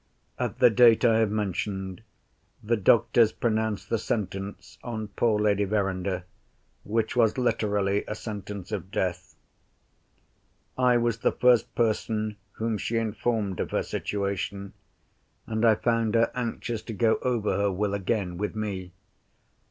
At the date I have mentioned, the doctors pronounced the sentence on poor Lady Verinder, which was literally a sentence of death. I was the first person whom she informed of her situation; and I found her anxious to go over her Will again with me.